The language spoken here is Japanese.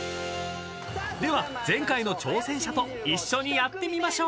［では前回の挑戦者と一緒にやってみましょう］